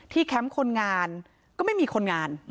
แคมป์คนงานก็ไม่มีคนงาน